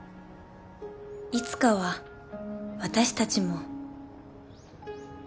いつかは私たちも